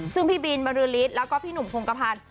ซึ่งพี่บินบรรลือริสต์แล้วก็พี่หนุ่มทมกภัณฑ์